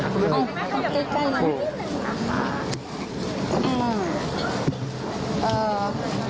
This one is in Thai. คุณแม่ก็ยังเชื่อมั่นในตำรวจนะคะ